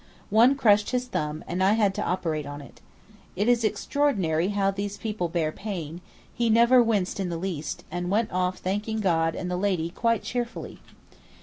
One crushed his thumb and I had to operate on it. It is extraordinary how these people bear pain; he never winced in the least, and went off thanking God and the lady quite cheerfully.